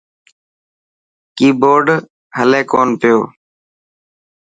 ڪئي بورڊ هلي ڪونه پيو.